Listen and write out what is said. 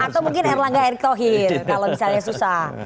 atau mungkin erlangga erktohir kalau misalnya susah